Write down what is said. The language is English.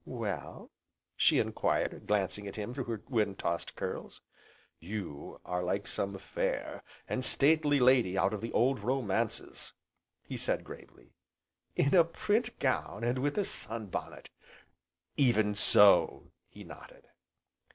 "Well?" she enquired, glancing at him through her wind tossed curls. "You are like some fair, and stately lady out of the old romances," he said gravely. "In a print gown, and with a sun bonnet!" "Even so!" he nodded.